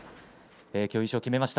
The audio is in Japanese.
今日優勝を決めました。